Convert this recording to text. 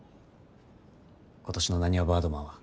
今年のなにわバードマンは。